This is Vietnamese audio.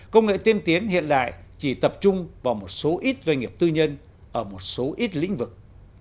công nghệ tiên tiến hiện đại chỉ tập trung vào một số ít doanh nghiệp tư nhân ở một số ít lĩnh vực